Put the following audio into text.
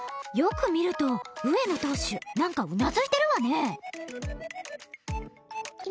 よく見ると、上野投手なんかうなずいてるわね。